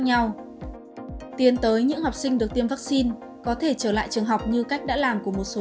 nhau tiến tới những học sinh được tiêm vaccine có thể trở lại trường học như cách đã làm của một số